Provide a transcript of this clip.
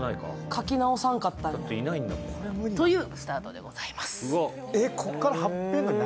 書き直さんかったんか。というスタートでございます。